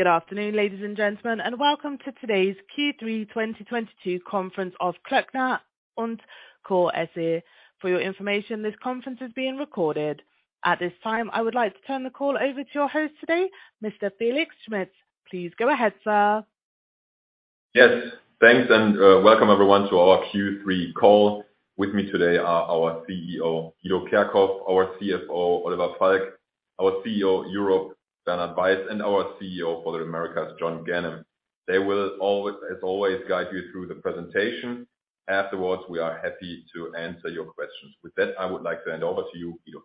Good afternoon, ladies and gentlemen, and welcome to today's Q3 2022 conference of Klöckner & Co SE. For your information, this conference is being recorded. At this time, I would like to turn the call over to your host today, Mr. Felix Schmitz. Please go ahead, sir. Yes. Thanks, and welcome everyone to our Q3 call. With me today are our CEO, Guido Kerkhoff, our CFO, Oliver Falk, our CEO Europe, Bernhard Weiß, and our CEO for the Americas, John Ganem. They will, as always, guide you through the presentation. Afterwards, we are happy to answer your questions. With that, I would like to hand over to you, Guido.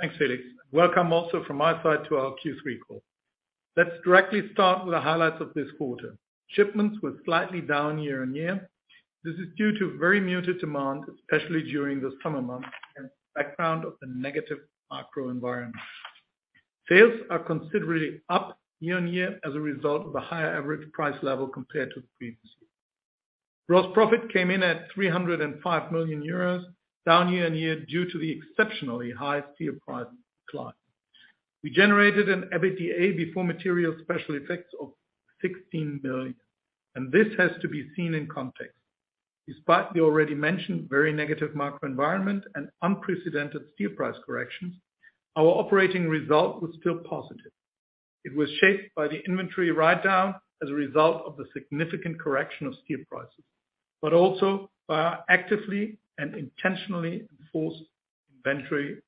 Thanks, Felix. Welcome also from my side to our Q3 call. Let's directly start with the highlights of this quarter. Shipments were slightly down year-on-year. This is due to very muted demand, especially during the summer months and background of the negative macro environment. Sales are considerably up year-on-year as a result of a higher average price level compared to previous year. Gross profit came in at 305 million euros, down year-on-year due to the exceptionally high steel price decline. We generated an EBITDA before material special effects of 16 million, and this has to be seen in context. Despite the already mentioned very negative macro environment and unprecedented steel price corrections, our operating result was still positive. It was shaped by the inventory writedown as a result of the significant correction of steel prices, but also by our actively and intentionally enforced inventory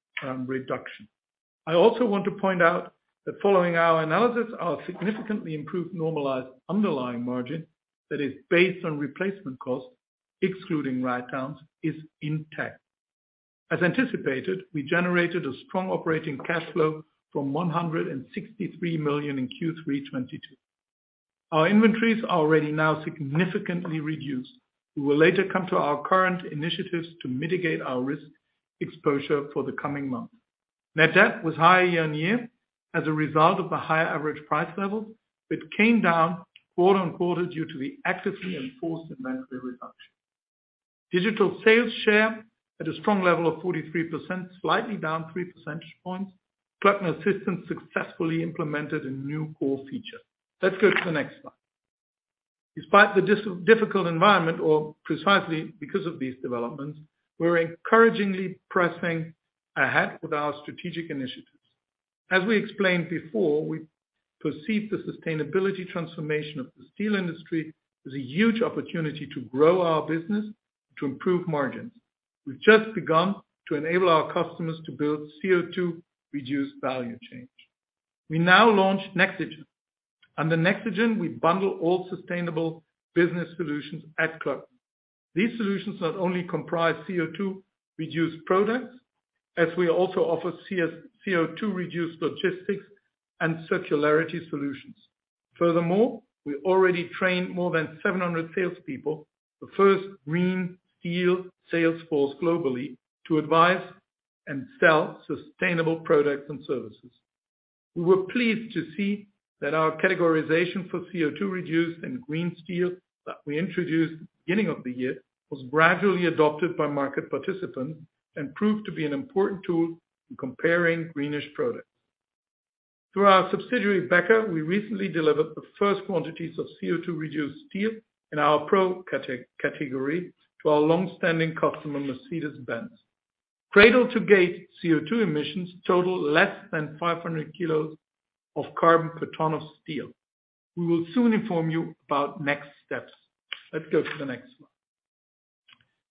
reduction. I also want to point out that following our analysis, our significantly improved normalized underlying margin that is based on replacement costs, excluding writedowns, is intact. As anticipated, we generated a strong operating cash flow of 163 million in Q3 2022. Our inventories are already now significantly reduced. We will later come to our current initiatives to mitigate our risk exposure for the coming months. Net debt was higher year on year as a result of a higher average price level, but came down quarter on quarter due to the actively enforced inventory reduction. Digital sales share at a strong level of 43%, slightly down 3 percentage points. Klöckner Assistant successfully implemented a new core feature. Let's go to the next slide. Despite the difficult environment or precisely because of these developments, we're encouragingly pressing ahead with our strategic initiatives. As we explained before, we perceive the sustainability transformation of the steel industry as a huge opportunity to grow our business to improve margins. We've just begun to enable our customers to build CO2-reduced value chain. We now launched Nexigen. Under Nexigen, we bundle all sustainable business solutions at Klöckner. These solutions not only comprise CO2-reduced products, as we also offer CO2-reduced logistics and circularity solutions. Furthermore, we already trained more than 700 salespeople, the first green steel sales force globally to advise and sell sustainable products and services. We were pleased to see that our categorization for CO2 reduced and green steel that we introduced beginning of the year was gradually adopted by market participants and proved to be an important tool in comparing greenish products. Through our subsidiary, Becker, we recently delivered the first quantities of CO2 reduced steel in our product category to our long-standing customer, Mercedes-Benz. Cradle-to-gate CO2 emissions total less than 500 kg of carbon per ton of steel. We will soon inform you about next steps. Let's go to the next slide.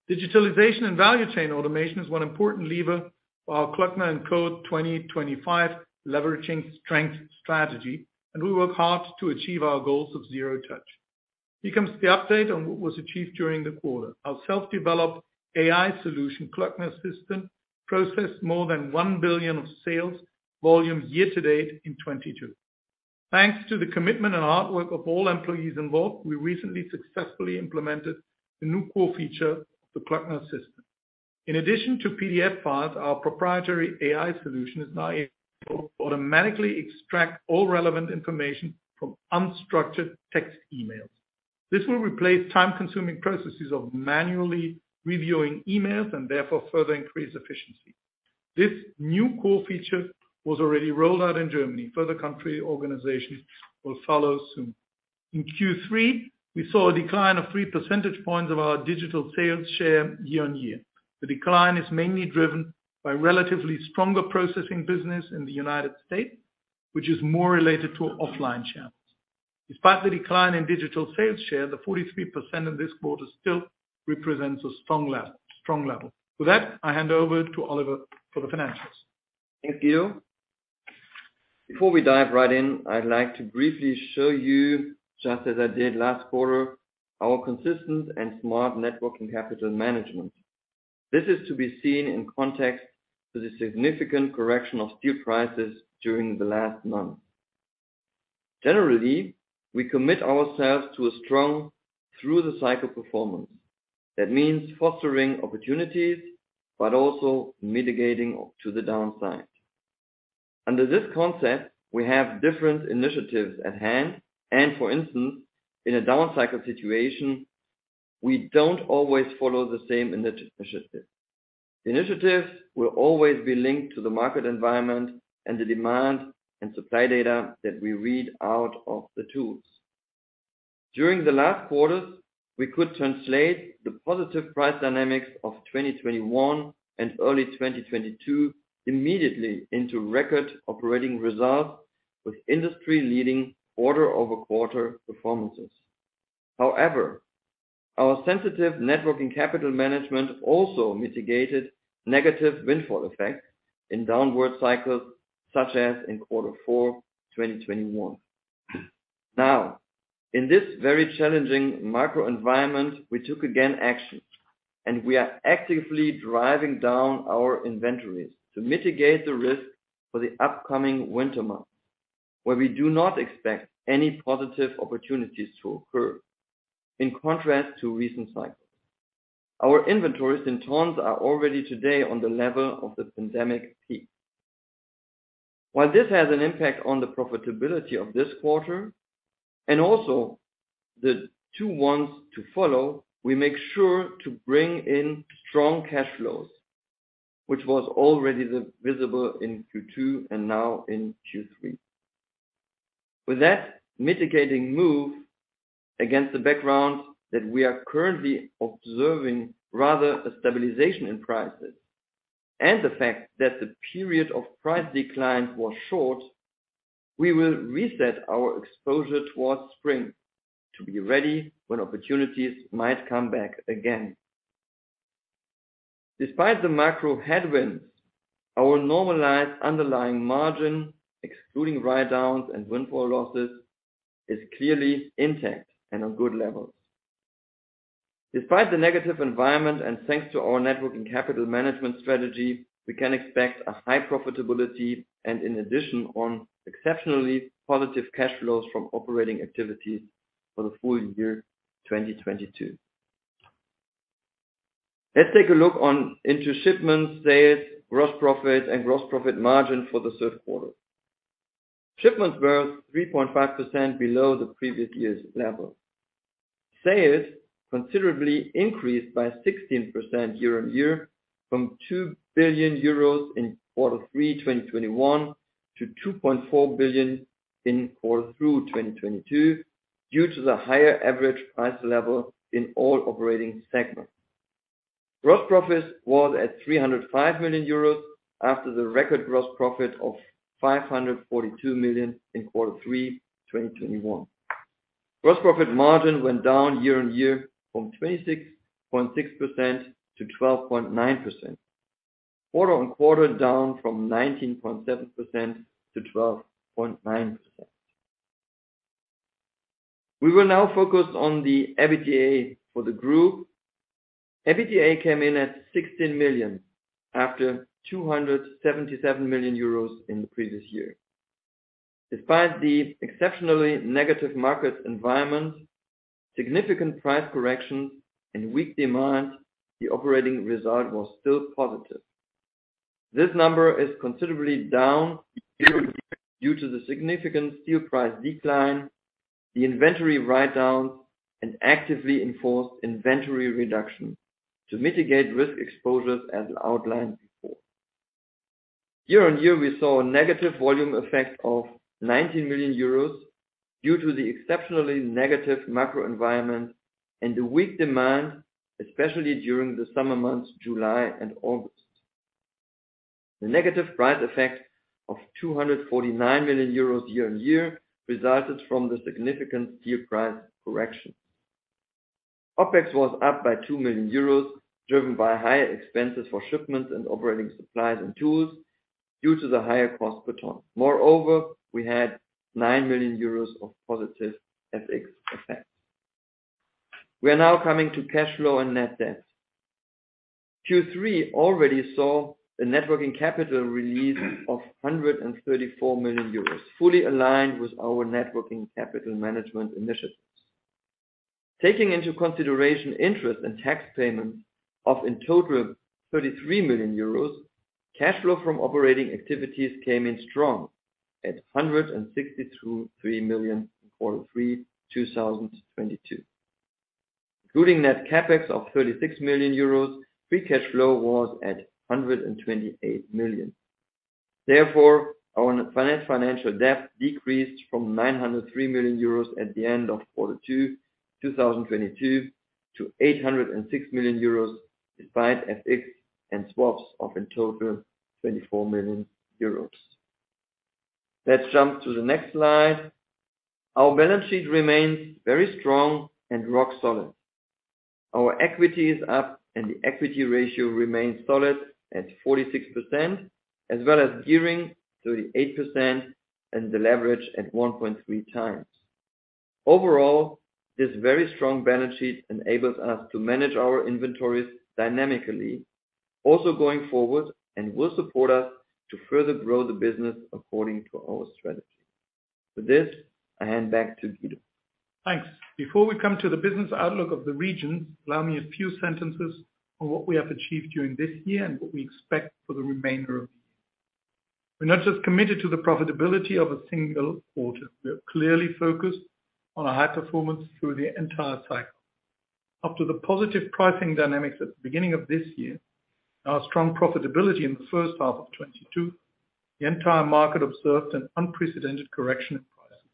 Digitalization and value chain automation is one important lever for our Klöckner & Co. 2025: Leveraging Strengths strategy, and we work hard to achieve our goals of Zero Touch. Here comes the update on what was achieved during the quarter. Our self-developed AI solution, Klöckner Assistant, processed more than 1 billion of sales volume year to date in 2022. Thanks to the commitment and hard work of all employees involved, we recently successfully implemented the new core feature of the Klöckner Assistant. In addition to PDF files, our proprietary AI solution is now able to automatically extract all relevant information from unstructured text emails. This will replace time-consuming processes of manually reviewing emails and therefore further increase efficiency. This new core feature was already rolled out in Germany. Further country organizations will follow soon. In Q3, we saw a decline of three percentage points of our digital sales share year-on-year. The decline is mainly driven by relatively stronger processing business in the United States, which is more related to offline channels. Despite the decline in digital sales share, the 43% in this quarter still represents a strong level. With that, I hand over to Oliver for the financials. Thank you. Before we dive right in, I'd like to briefly show you, just as I did last quarter, our consistent and smart net working capital management. This is to be seen in context to the significant correction of steel prices during the last month. Generally, we commit ourselves to a strong through the cycle performance. That means fostering opportunities, but also mitigating to the downside. Under this concept, we have different initiatives at hand, and for instance, in a down cycle situation. We don't always follow the same initiatives. Initiatives will always be linked to the market environment and the demand and supply data that we read out of the tools. During the last quarter, we could translate the positive price dynamics of 2021 and early 2022 immediately into record operating results with industry-leading quarter-over-quarter performances. However, our sensitive Net Working Capital management also mitigated negative windfall effects in downward cycles, such as in Q4 2021. Now, in this very challenging macro environment, we took action again, and we are actively driving down our inventories to mitigate the risk for the upcoming winter months, where we do not expect any positive opportunities to occur, in contrast to recent cycles. Our inventories in tons are already today on the level of the pandemic peak. While this has an impact on the profitability of this quarter and also the two ones to follow, we make sure to bring in strong cash flows, which was already visible in Q2 and now in Q3. With that mitigating move against the background that we are currently observing rather a stabilization in prices and the fact that the period of price decline was short, we will reset our exposure towards spring to be ready when opportunities might come back again. Despite the macro headwinds, our normalized underlying margin, excluding write-downs and windfall losses, is clearly intact and on good levels. Despite the negative environment and thanks to our Net Working Capital management strategy, we can expect a high profitability and in addition on exceptionally positive cash flows from operating activities for the full year 2022. Let's take a look into shipments, sales, gross profit, and gross profit margin for the third quarter. Shipments were 3.5% below the previous year's level. Sales considerably increased by 16% year-on-year from 2 billion euros in quarter three, 2021 to 2.4 billion in quarter three, 2022 due to the higher average price level in all operating segments. Gross profit was at 305 million euros after the record gross profit of 542 million in quarter three, 2021. Gross profit margin went down year-on-year from 26.6% to 12.9%. Quarter-on-quarter, down from 19.7% to 12.9%. We will now focus on the EBITDA for the group. EBITDA came in at 16 million after 277 million euros in the previous year. Despite the exceptionally negative market environment, significant price correction, and weak demand, the operating result was still positive. This number is considerably down year-over-year due to the significant steel price decline, the inventory write-down, and actively enforced inventory reduction to mitigate risk exposures as outlined before. Year-over-year, we saw a negative volume effect of 19 million euros due to the exceptionally negative macro environment and the weak demand, especially during the summer months, July and August. The negative price effect of 249 million euros year-over-year resulted from the significant steel price correction. OpEx was up by 2 million euros, driven by higher expenses for shipments and operating supplies and tools due to the higher cost per ton. Moreover, we had 9 million euros of positive FX effects. We are now coming to cash flow and net debt. Q3 already saw a net working capital release of 134 million euros, fully aligned with our net working capital management initiatives. Taking into consideration interest and tax payments of in total 33 million euros, cash flow from operating activities came in strong at 162.3 million in quarter three 2022. Including net CapEx of 36 million euros, free cash flow was at 128 million. Therefore, our net financial debt decreased from 903 million euros at the end of quarter two 2022 to 806 million euros, despite FX and swaps of in total 24 million euros. Let's jump to the next slide. Our balance sheet remains very strong and rock solid. Our equity is up, and the equity ratio remains solid at 46% as well as gearing 38% and the leverage at 1.3 times. Overall, this very strong balance sheet enables us to manage our inventories dynamically, also going forward and will support us to further grow the business according to our strategy. With this, I hand back to Guido. Thanks. Before we come to the business outlook of the region, allow me a few sentences on what we have achieved during this year and what we expect for the remainder of the year. We're not just committed to the profitability of a single quarter. We are clearly focused on a high performance through the entire cycle. After the positive pricing dynamics at the beginning of this year, our strong profitability in the first half of 2022, the entire market observed an unprecedented correction in prices.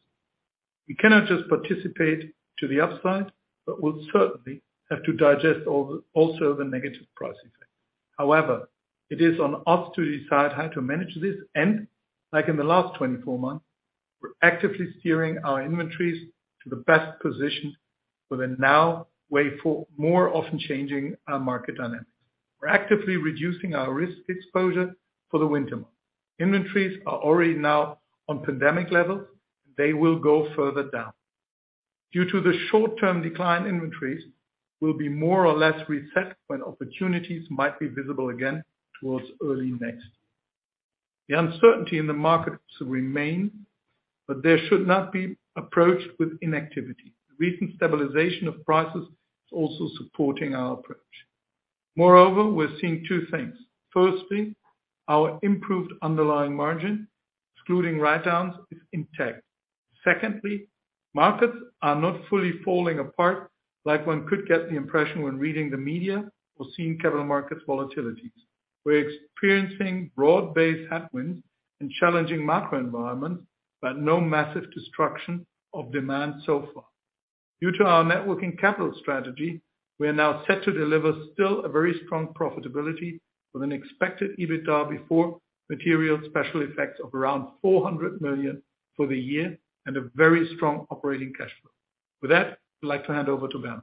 We cannot just participate to the upside, but will certainly have to digest also the negative price effect. However, it is on us to decide how to manage this, and like in the last 24 months, we're actively steering our inventories to the best position for the now very often changing market dynamics. We're actively reducing our risk exposure for the winter months. Inventories are already now on pandemic levels. They will go further down. Due to the short-term decline in inventories, we'll be more or less reset when opportunities might be visible again towards early next. The uncertainty in the market will remain, but it should not be approached with inactivity. Recent stabilization of prices is also supporting our approach. Moreover, we're seeing two things. Firstly, our improved underlying margin, excluding write-downs, is intact. Secondly, markets are not fully falling apart like one could get the impression when reading the media or seeing capital markets volatilities. We're experiencing broad-based headwinds and challenging macro environments, but no massive destruction of demand so far. Due to our net working capital strategy, we are now set to deliver still a very strong profitability with an expected EBITDA before material special effects of around 400 million for the year and a very strong operating cash flow. With that, I'd like to hand over to Bernhard.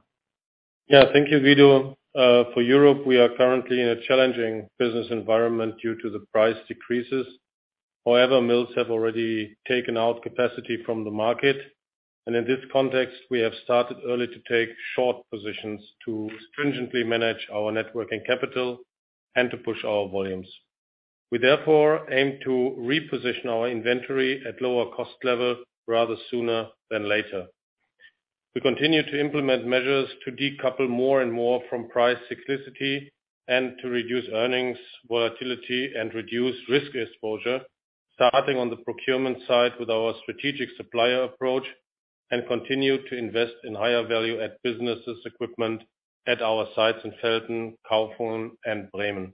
Yeah. Thank you, Guido. For Europe, we are currently in a challenging business environment due to the price decreases. However, mills have already taken out capacity from the market. In this context, we have started early to take short positions to stringently manage our net working capital and to push our volumes. We therefore aim to reposition our inventory at lower cost level rather sooner than later. We continue to implement measures to decouple more and more from price cyclicity and to reduce earnings volatility and reduce risk exposure, starting on the procurement side with our strategic supplier approach, and continue to invest in higher value at businesses equipment at our sites in Velten, Kaufungen, and Bremen.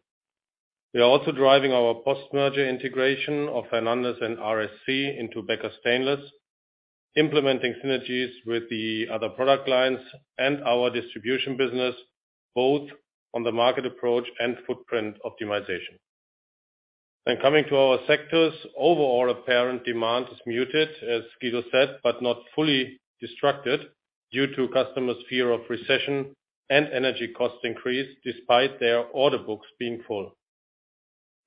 We are also driving our post-merger integration of Hernandez and RSC into Becker Stainless, implementing synergies with the other product lines and our distribution business, both on the market approach and footprint optimization. Coming to our sectors, overall apparent demand is muted, as Guido said, but not fully destroyed due to customers' fear of recession and energy cost increase despite their order books being full.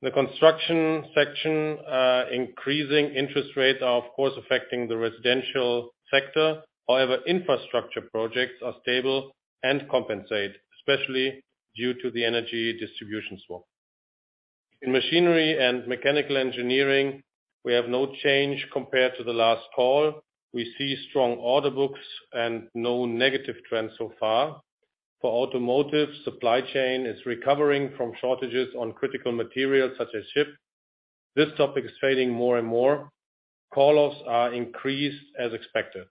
The construction sector, increasing interest rates are of course affecting the residential sector. However, infrastructure projects are stable and compensate, especially due to the energy distribution swap. In machinery and mechanical engineering, we have no change compared to the last call. We see strong order books and no negative trends so far. For automotive, supply chain is recovering from shortages on critical materials such as chips. This topic is fading more and more. Call-offs are increased as expected.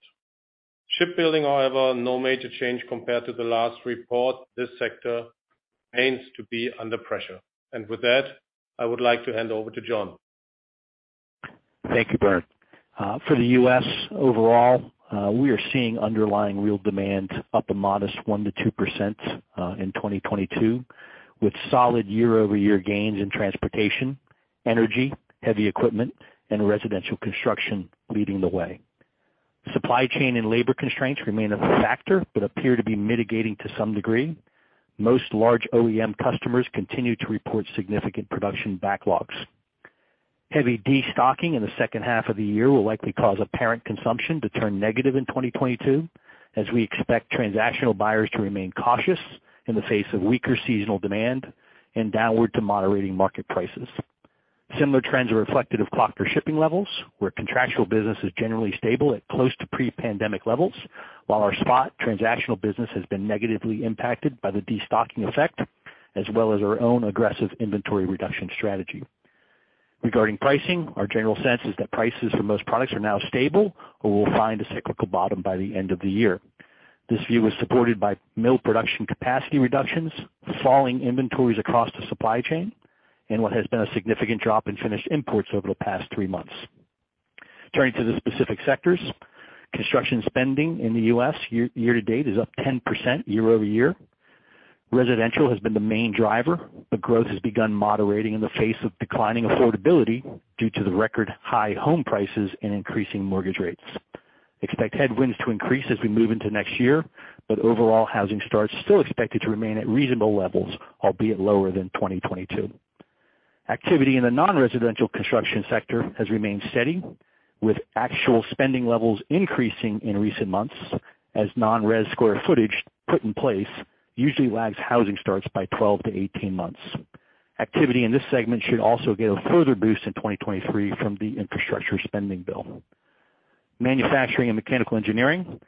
Shipbuilding, however, no major change compared to the last report. This sector aims to be under pressure. With that, I would like to hand over to John. Thank you, Bernhard. For the US overall, we are seeing underlying real demand up a modest 1%-2% in 2022, with solid year-over-year gains in transportation, energy, heavy equipment, and residential construction leading the way. Supply chain and labor constraints remain a factor, but appear to be mitigating to some degree. Most large OEM customers continue to report significant production backlogs. Heavy destocking in the second half of the year will likely cause apparent consumption to turn negative in 2022, as we expect transactional buyers to remain cautious in the face of weaker seasonal demand and downward to moderating market prices. Similar trends are reflected in Klöckner shipping levels, where contractual business is generally stable at close to pre-pandemic levels, while our spot transactional business has been negatively impacted by the destocking effect, as well as our own aggressive inventory reduction strategy. Regarding pricing, our general sense is that prices for most products are now stable or will find a cyclical bottom by the end of the year. This view is supported by mill production capacity reductions, falling inventories across the supply chain, and what has been a significant drop in finished imports over the past three months. Turning to the specific sectors, construction spending in the U.S. year-to-date is up 10% year-over-year. Residential has been the main driver, but growth has begun moderating in the face of declining affordability due to the record high home prices and increasing mortgage rates. Expect headwinds to increase as we move into next year, but overall housing starts still expected to remain at reasonable levels, albeit lower than 2022. Activity in the non-residential construction sector has remained steady, with actual spending levels increasing in recent months as non-res square footage put in place usually lags housing starts by 12-18 months. Activity in this segment should also get a further boost in 2023 from the infrastructure spending bill. Manufacturing and mechanical engineering.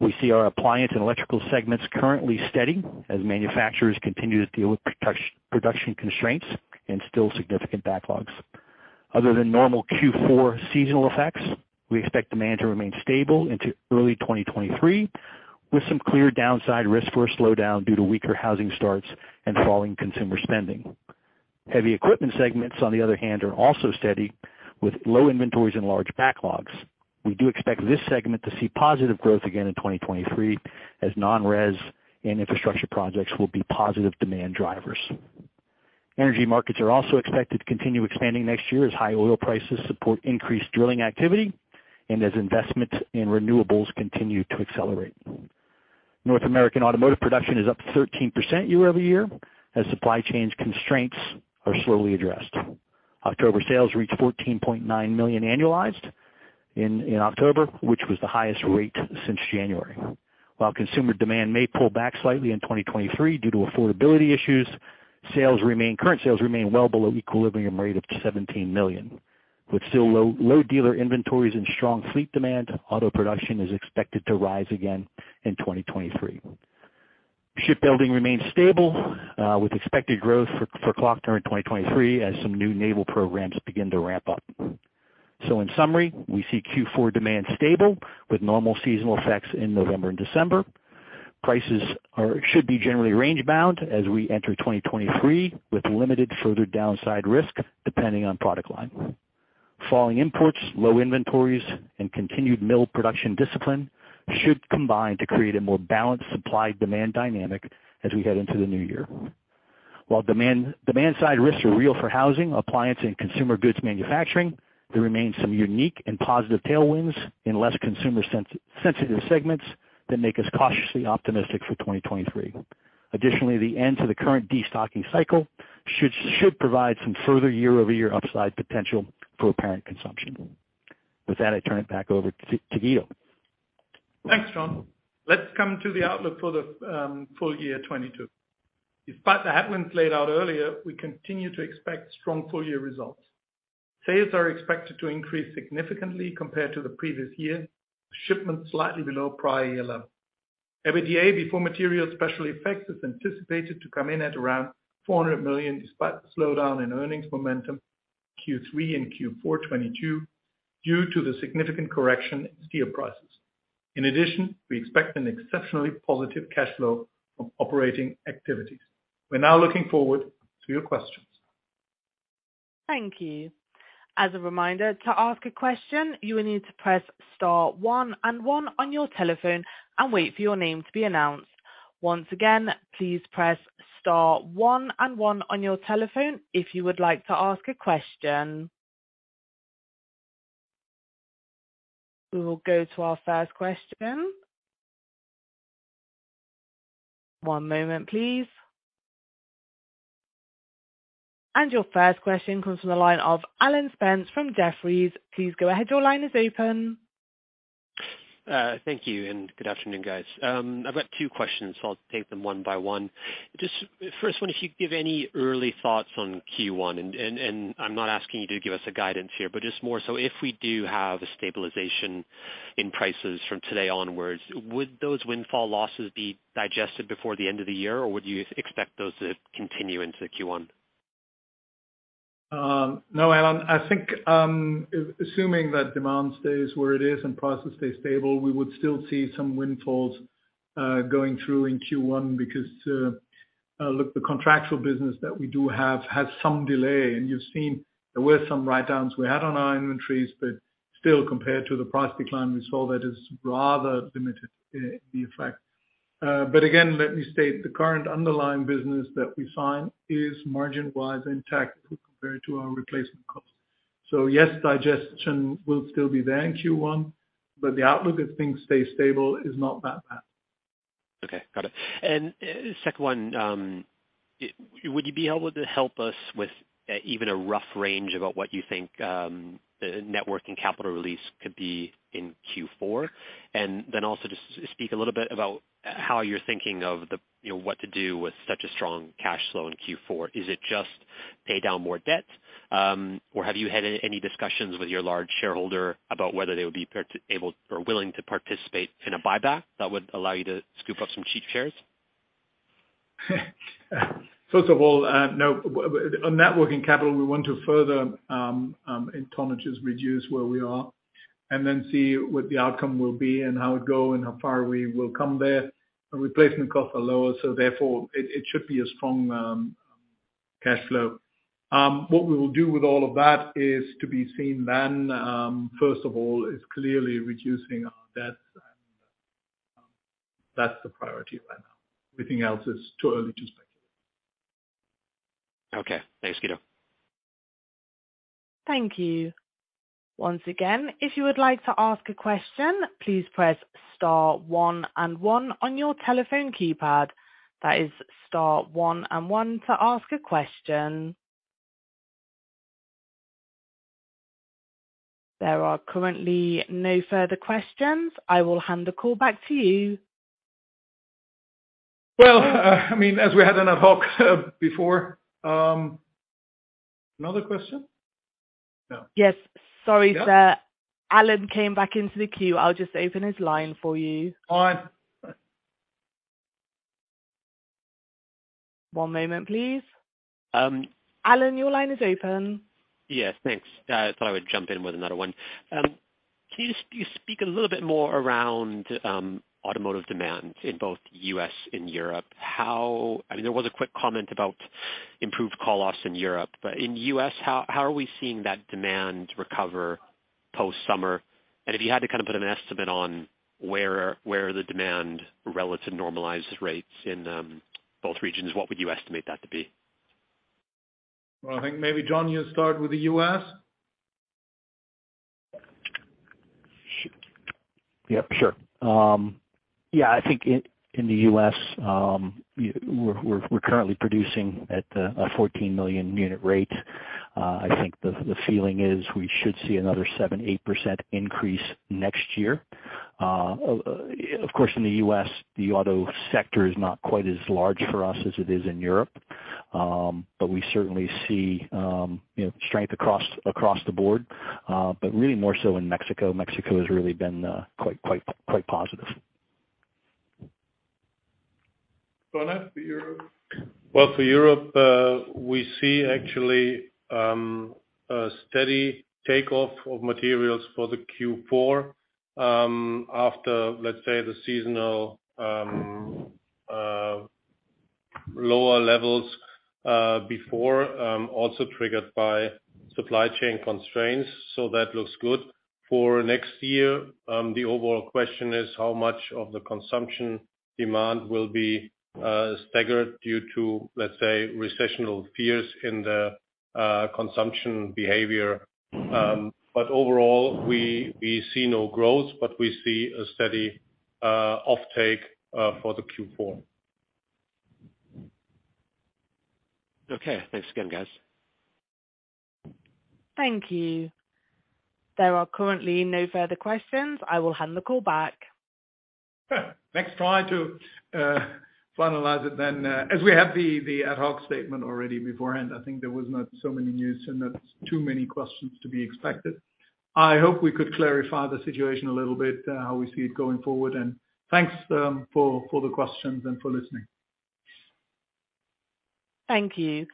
We see our appliance and electrical segments currently steady as manufacturers continue to deal with production constraints and still significant backlogs. Other than normal Q4 seasonal effects, we expect demand to remain stable into early 2023, with some clear downside risk for a slowdown due to weaker housing starts and falling consumer spending. Heavy equipment segments, on the other hand, are also steady with low inventories and large backlogs. We do expect this segment to see positive growth again in 2023 as non-res and infrastructure projects will be positive demand drivers. Energy markets are also expected to continue expanding next year as high oil prices support increased drilling activity and as investment in renewables continue to accelerate. North American automotive production is up 13% year-over-year as supply chain constraints are slowly addressed. October sales reached 14.9 million annualized in October, which was the highest rate since January. While consumer demand may pull back slightly in 2023 due to affordability issues, current sales remain well below equilibrium rate of 17 million. With still low dealer inventories and strong fleet demand, auto production is expected to rise again in 2023. Shipbuilding remains stable, with expected growth for Klöckner in 2023 as some new naval programs begin to ramp up. In summary, we see Q4 demand stable with normal seasonal effects in November and December. Prices should be generally range bound as we enter 2023, with limited further downside risk depending on product line. Falling imports, low inventories, and continued mill production discipline should combine to create a more balanced supply-demand dynamic as we head into the new year. While demand-side risks are real for housing, appliance, and consumer goods manufacturing, there remains some unique and positive tailwinds in less consumer sensitive segments that make us cautiously optimistic for 2023. Additionally, the end to the current destocking cycle should provide some further year-over-year upside potential for apparent consumption. With that, I turn it back over to Guido. Thanks, John. Let's come to the outlook for the full year 2022. Despite the headwinds laid out earlier, we continue to expect strong full-year results. Sales are expected to increase significantly compared to the previous year. Shipments slightly below prior year level. EBITDA before material special effects is anticipated to come in at around 400 million, despite the slowdown in earnings momentum Q3 and Q4 2022 due to the significant correction in steel prices. In addition, we expect an exceptionally positive cash flow from operating activities. We're now looking forward to your questions. Thank you. As a reminder, to ask a question, you will need to press star one and one on your telephone and wait for your name to be announced. Once again, please press star one and one on your telephone if you would like to ask a question. We will go to our first question. One moment, please. Your first question comes from the line of Alan Spence from Jefferies. Please go ahead. Your line is open. Thank you, and good afternoon, guys. I've got two questions. I'll take them one by one. Just first one, if you could give any early thoughts on Q1, and I'm not asking you to give us a guidance here, but just more so if we do have a stabilization in prices from today onwards, would those windfall losses be digested before the end of the year, or would you expect those to continue into Q1? No, Alan. I think, assuming that demand stays where it is and prices stay stable, we would still see some windfalls, going through in Q1 because, look, the contractual business that we do have, has some delay, and you've seen there were some write-downs we had on our inventories, but still, compared to the price decline we saw, that is rather limited in effect. Again, let me state, the current underlying business that we find is margin-wise intact compared to our replacement cost. Yes, digestion will still be there in Q1, but the outlook, if things stay stable, is not that bad. Okay, got it. Second one, would you be able to help us with even a rough range about what you think the Net Working Capital release could be in Q4? Then also just speak a little bit about how you're thinking of the, you know, what to do with such a strong cash flow in Q4. Is it just pay down more debt, or have you had any discussions with your large shareholder about whether they would be able or willing to participate in a buyback that would allow you to scoop up some cheap shares? First of all, no. On Net Working Capital, we want to further in tonnages, reduce where we are and then see what the outcome will be and how it go and how far we will come there. Our replacement costs are lower, so therefore it should be a strong cash flow. What we will do with all of that is to be seen then. First of all, it's clearly reducing our debts. That's the priority right now. Everything else is too early to speculate. Okay. Thanks, Guido. Thank you. Once again, if you would like to ask a question, please press star one and one on your telephone keypad. That is star one and one to ask a question. There are currently no further questions. I will hand the call back to you. Well, I mean, as we had an ad hoc before, another question? No. Yes. Sorry, sir. Yeah. Alan came back into the queue. I'll just open his line for you. Fine. One moment, please. Alan, your line is open. Yes, thanks. I thought I would jump in with another one. Can you speak a little bit more around automotive demand in both U.S. and Europe? I mean, there was a quick comment about improved call-offs in Europe. In U.S., how are we seeing that demand recover post-summer? If you had to kind of put an estimate on where the demand relative normalized rates in both regions, what would you estimate that to be? Well, I think maybe John, you start with the U.S. Sure. Yep, sure. Yeah, I think in the U.S., we're currently producing at a 14 million unit rate. I think the feeling is we should see another 7%-8% increase next year. Of course, in the U.S., the auto sector is not quite as large for us as it is in Europe. We certainly see, you know, strength across the board, but really more so in Mexico. Mexico has really been quite positive. Bernhard, for Europe. Well, for Europe, we see actually a steady take off of materials for the Q4, after, let's say, the seasonal lower levels before, also triggered by supply chain constraints, so that looks good. For next year, the overall question is how much of the consumption demand will be staggered due to, let's say, recession fears in the consumption behavior. Overall, we see no growth, but we see a steady offtake for the Q4. Okay. Thanks again, guys. Thank you. There are currently no further questions. I will hand the call back. Let's try to finalize it then, as we have the ad hoc statement already beforehand. I think there was not so many news and not too many questions to be expected. I hope we could clarify the situation a little bit, how we see it going forward. Thanks for the questions and for listening. Thank you.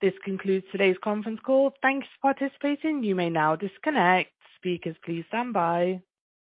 This concludes today's conference call. Thanks for participating. You may now disconnect. Speakers, please stand by.